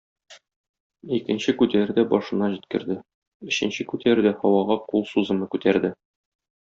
Икенче күтәрүдә башына җиткерде, өченче күтәрүдә һавага кул сузымы күтәрде.